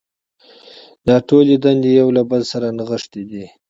دا ټولې دندې یو له بل سره نغښتې دي.